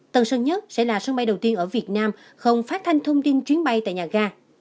tân sơn nhất sẽ là sân bay đầu tiên ở việt nam không phát thanh thông tin chuyến bay tại nhà ga